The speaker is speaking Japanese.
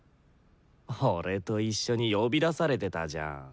俺と一緒に呼び出されてたじゃん。